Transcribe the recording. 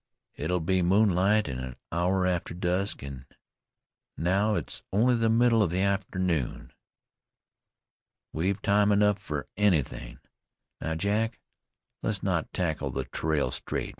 It'll be moonlight an hour arter dusk, an' now it's only the middle of the arternoon; we've time enough fer anythin'. Now, Jack, let's not tackle the trail straight.